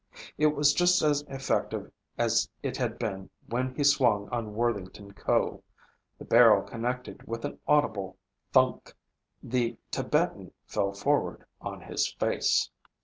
It was just as effective as it had been when he swung on Worthington Ko. The barrel connected with an audible thunk. The Tibetan fell forward on his face.